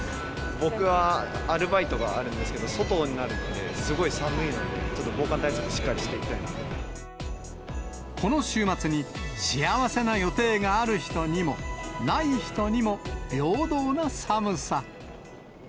僕はアルバイトがあるんですけど、外になるので、すごい寒いので、ちょっと防寒対策をしっかこの週末に幸せな予定がある人にも、ない人にも、平等な寒さ。